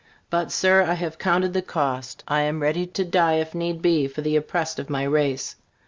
But, Sir, I have counted the cost. I am ready to die, if need be, for the oppressed of my race.